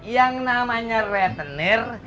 yang namanya retenir